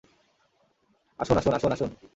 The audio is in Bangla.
আসুন, আসুন, আসুন, আসুন।